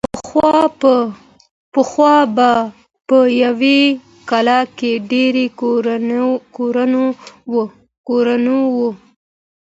پخوا به په یوه کلا کې ډېر کورونه وو.